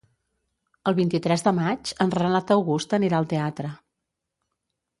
El vint-i-tres de maig en Renat August anirà al teatre.